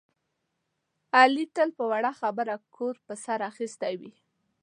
علي تل په وړه خبره کور په سر اخیستی وي.